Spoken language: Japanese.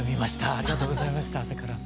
ありがとうございました朝から。